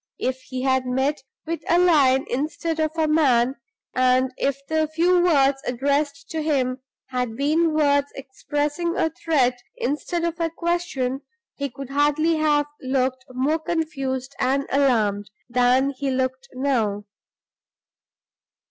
If he had met with a lion instead of a man, and if the few words addressed to him had been words expressing a threat instead of a question, he could hardly have looked more confused and alarmed than he looked now.